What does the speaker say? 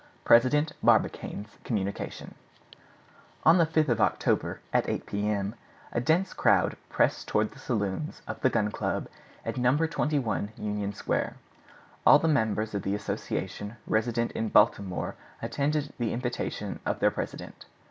PRESIDENT BARBICANE'S COMMUNICATION On the 5th of October, at eight p.m., a dense crowd pressed toward the saloons of the Gun Club at No. 21 Union Square. All the members of the association resident in Baltimore attended the invitation of their president.